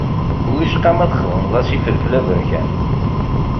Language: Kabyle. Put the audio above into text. Wicqa ma txedmeḍ-as ifelfel aberkan.